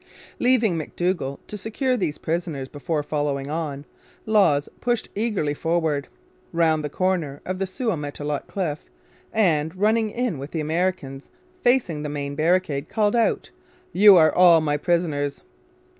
Leaving McDougall to secure these prisoners before following on, Lawes pushed eagerly forward, round the corner of the Sault au Matelot cliff, and, running in among the Americans facing the main barricade, called out, 'You are all my prisoners!'